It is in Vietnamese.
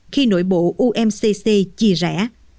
khi nội bộ umcc chỉ ra